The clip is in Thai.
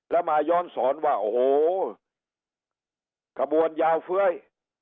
แล้วมาย้อนสอนว่าโอ้โหขบวนยาวเฟ้ย